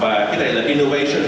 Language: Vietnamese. và cái này là innovation